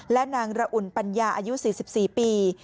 และนางระอุ่นปัญญาอายุ๔๔ปี